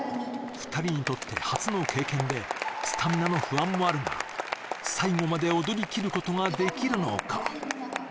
２人にとって初の経験でスタミナの不安もあるが最後まで踊りきることができるのか？